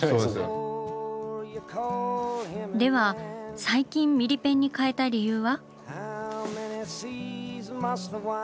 では最近ミリペンに変えた理由は？